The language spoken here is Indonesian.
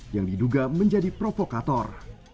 yang diduga menjadi provokator